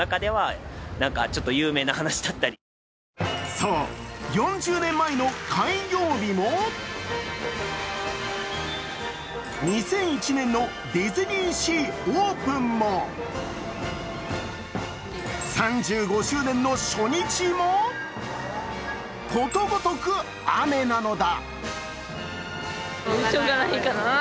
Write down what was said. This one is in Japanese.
そう、４０年前の開業日も２００１年のディズニーシーオープンも３５周年の初日もことごとく雨なのだ。